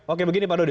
oke begini pak dodi